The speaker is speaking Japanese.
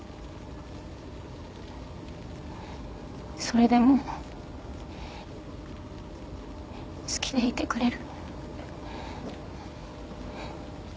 それでも好きでいてくれる？